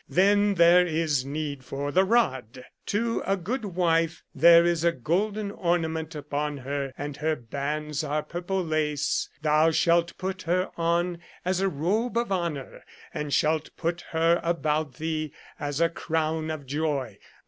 Then there is need for the rod. To a good wife, " there is a golden ornament upon her, and her bands are purple lace : thou shalt put her on as a robe of honour, and shalt put her about thee as a crown of joy."